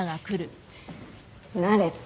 慣れた。